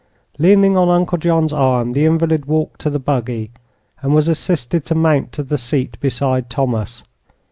Leaning on Uncle John's arm, the invalid walked to the buggy and was assisted to mount to the seat beside Thomas.